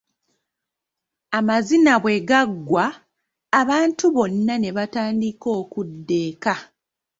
Amazina bwe gaggwa, abantu bonna ne batandika okudda eka.